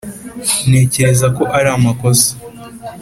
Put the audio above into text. ntekereza ko ari amakosa